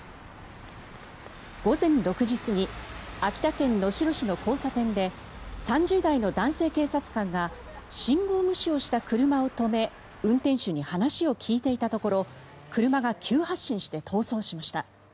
午前６時過ぎ秋田県能代市の交差点で３０代の男性警察官が信号無視をした車を止め運転手に話を聞いていたところ車が急発進して逃走しました。